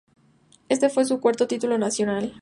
Este fue su cuarto titulo nacional.